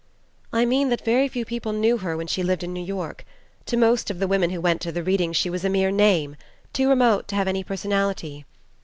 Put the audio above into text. "I mean that very few people knew her when she lived in New York. To most of the women who went to the reading she was a mere name, too remote to have any personality.